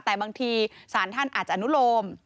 แต่บางทีสารท่านอาจจะอนุโลม